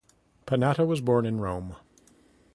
Panatta was born in Rome.